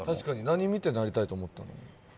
何、見てなりたいと思ったの？